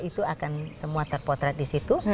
itu akan semua terpotret di situ